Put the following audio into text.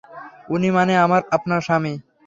উনি মানে আপনার স্বামী।